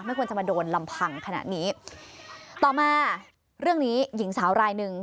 ควรจะมาโดนลำพังขนาดนี้ต่อมาเรื่องนี้หญิงสาวรายหนึ่ง